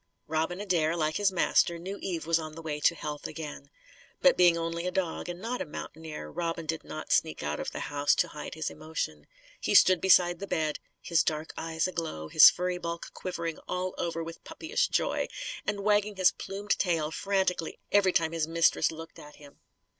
Robin Adair, like his master, knew Eve was on the way to health again. But being only a dog and not a mountaineer, Robin did not sneak out of the house to hide his emotion. He stood beside the bed, his dark eyes aglow, his furry bulk quivering all over with puppyish joy; and wagging his plumed tail, frantically, every time his mistress looked at him.